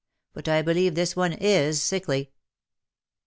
But I believe this one is sickly."